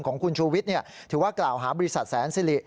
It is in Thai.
ของคุณชูวิทย์ถือว่ากล่าวหาบริษัทแสนสิริ